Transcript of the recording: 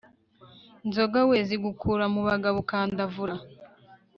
nzoga wee zigukura mu bagabo ukandavura